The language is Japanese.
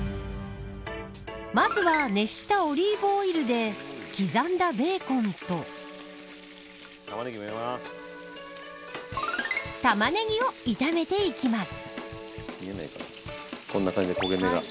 まずは、熱したオリーブオイルで刻んだベーコンとタマネギを炒めていきます。